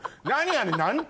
あれ。